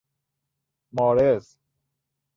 مارض